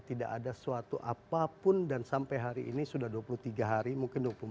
tidak ada suatu apapun dan sampai hari ini sudah dua puluh tiga hari mungkin dua puluh empat jam